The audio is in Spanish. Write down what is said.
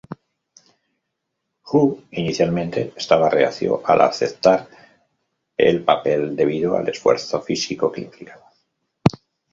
Wu inicialmente estaba reacio al aceptar el papel debido al esfuerzo físico que implicaba.